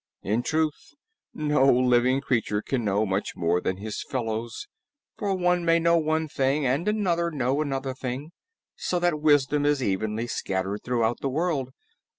In truth, no living creature can know much more than his fellows, for one may know one thing, and another know another thing, so that wisdom is evenly scattered throughout the world.